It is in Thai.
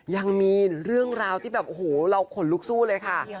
ยังมีเรื่องราวที่แบบโอ้โหเราขนลุกสู้เลยค่ะ